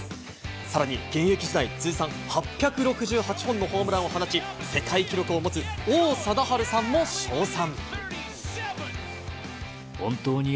さらに現役時代、通算８６８本のホームランを放ち、世界記録を持つ王貞治さんも称賛。